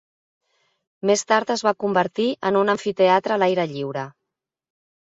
Més tard es va convertir en un amfiteatre a l'aire lliure.